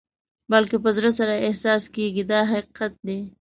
بلکې په زړه سره احساس کېږي دا حقیقت دی.